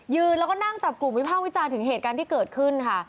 ยืนแล้วก็นั่งจับกลุ่มวิภาควิจารณ์ถึงเหตุการณ์ที่เกิดขึ้นค่ะ